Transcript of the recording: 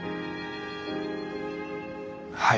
はい。